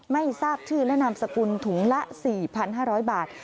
ไม่ทราบชื่อและนามสกุลถุงละ๔๕๐๐บาท